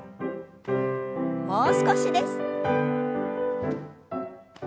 もう少しです。